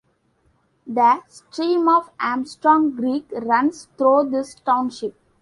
The stream of Armstrong Creek runs through this township.